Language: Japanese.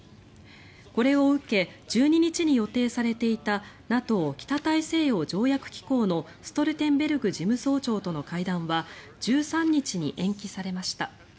これを受け１２日に予定されていたＮＡＴＯ・北大西洋条約機構のストルテンベルグ事務総長との会談は１３日に延期されました。